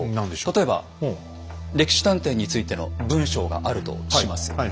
例えば「歴史探偵」についての文章があるとします。